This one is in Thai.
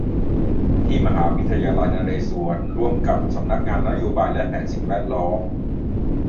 ที่มหาวิทยาลัยนเรศวรร่วมกับสำนักงานนโยบายและแผนสิ่งแวดล้อม